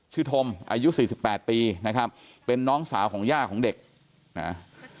ธมอายุสี่สิบแปดปีนะครับเป็นน้องสาวของย่าของเด็กนะ